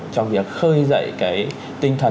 trong việc khơi dậy cái tinh thần